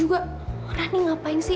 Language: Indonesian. jadi tidak yg peg ibk nosber